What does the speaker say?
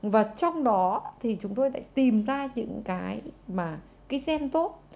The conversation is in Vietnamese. và trong đó thì chúng tôi lại tìm ra những cái mà cái gen tốt